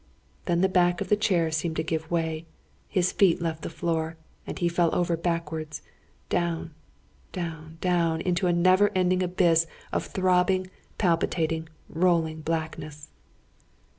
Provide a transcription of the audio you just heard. Then the back of his chair seemed to give way; his feet left the floor, and he fell over backwards down down down into a never ending abyss of throbbing, palpitating, rolling blackness.